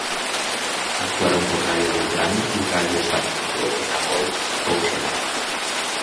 Actuaron por Radio Belgrano y Radio Sarmiento y en la boite Ocean.